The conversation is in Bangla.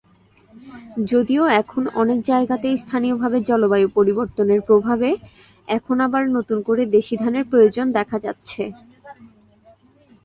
যদিও এখন অনেক জায়গাতেই স্থানীয়ভাবে জলবায়ু পরিবর্তনের প্রভাবে এখন আবার নতুন করে দেশী ধানের প্রয়োজন দেখা যাচ্ছে।